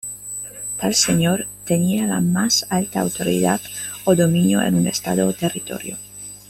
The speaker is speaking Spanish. Tal señor tenía la más alta autoridad o dominio en un estado o territorio.